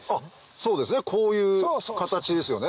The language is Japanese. そうですねこういう形ですよね。